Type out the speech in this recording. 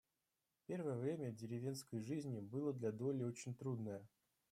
Первое время деревенской жизни было для Долли очень трудное.